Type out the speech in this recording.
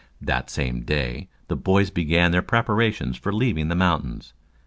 That same day the boys began their preparations for leaving the mountains.